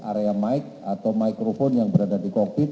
area mic atau microphone yang berada di kokpit